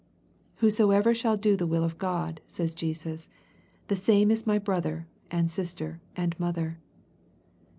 " Whosoever shall do the will of God," says Jesus, " the same is my brother, and sister, and mother."